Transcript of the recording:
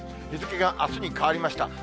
日付があすに変わりました。